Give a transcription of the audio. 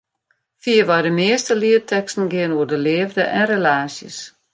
Fierwei de measte lietteksten geane oer de leafde en relaasjes.